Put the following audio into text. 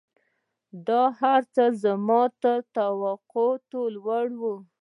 دا هرڅه زما تر توقعاتو لوړ وو.